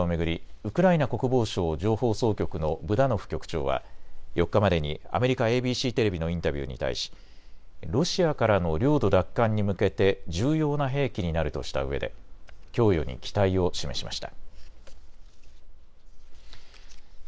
ウクライナ国防省情報総局のブダノフ局長は４日までにアメリカＡＢＣテレビのインタビューに対し、ロシアからの領土奪還に向けて重要な兵器になるとしたうえで供与に期待を示しました。